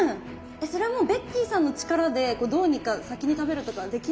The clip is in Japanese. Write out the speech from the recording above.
それはもうベッキーさんの力でどうにか先に食べるとかできないんですか？